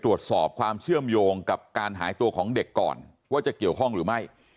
ตรวจสอบความเชื่อมโยงกับการหายตัวของเด็กก่อนว่าจะเกี่ยวข้องหรือไม่